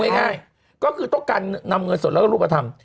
ง่ายก็คือต้องการนำเงินสดแล้วก็รูปธรรม